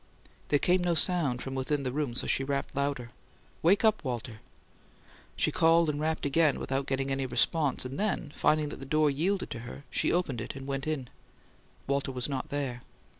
There came no sound from within the room, so she rapped louder. "Wake up, Walter!" She called and rapped again, without getting any response, and then, finding that the door yielded to her, opened it and went in. Walter was not there.